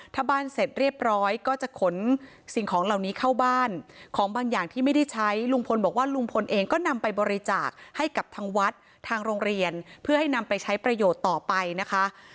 ถ้าบ้านเสร็จเรียบร้อยก็จะขนสิ่งของเหล่านี้เข้าบ้านของบางอย่างที่ไม่ได้ใช้ลุงพลบอกว่าลุงพลเองก็นำไปบริจาคให้กับทางวัดทางโรงเรียนเพื่อให้นำไปใช้ประโยชน์ต่อไปนะคะ